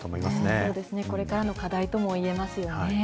そうですね、これからの課題ともいえますよね。